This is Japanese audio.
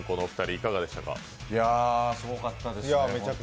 いやすごかったですね。